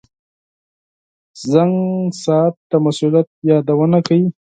• زنګ ساعت د مسؤلیت یادونه کوي.